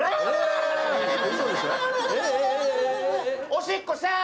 おしっこしゃー。